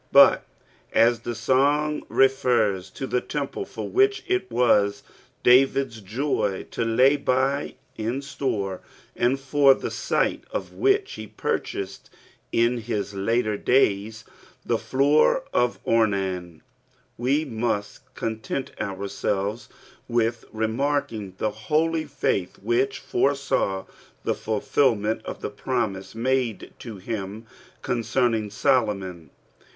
Bat as ihe tong rffers to the temple, for ahich it waa Davids jog to !at/ bg in store, and for the site of loAicA he purchased in his later days the floor of Ornan, we mtat amtent owrsdves with remarking the hoiy faith icAtcA foresaio Ihe fulflmail uf Ihe promise made to him concerning Solomon.